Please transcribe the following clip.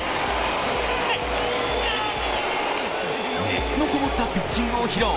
熱のこもったピッチングを披露。